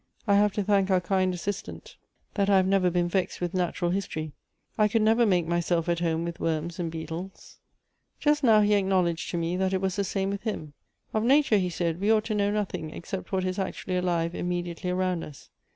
I have to thank our kind Assistant that I have never been 10* 226 Goethe's vexed with natural history; I could never make myself at home with worms and beetles." "Just now he acknowledged to me, that it was the same with him. ' Of nature,' he said, ' we ought to know nothing except what is actually alive immediately around us.